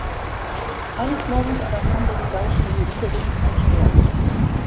Eines Morgens aber fand er die Baustelle wiederum zerstört.